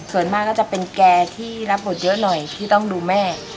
ส่วนมากก็จะเป็นแกที่รับบทเยอะหน่อยที่ต้องดูแม่